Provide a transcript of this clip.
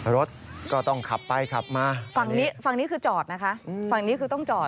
รถก็ต้องขับไปขับมาฝั่งนี้ฝั่งนี้คือจอดนะคะฝั่งนี้คือต้องจอด